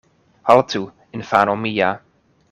Haltu, infano mia.